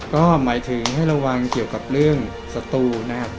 ก็หมายถึงให้ระวังเกี่ยวกับเรื่องสตูนะครับ